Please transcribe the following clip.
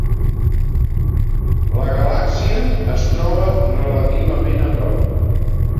La galàxia es troba relativament a prop.